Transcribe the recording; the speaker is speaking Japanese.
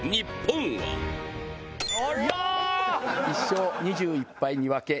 １勝２１敗２分け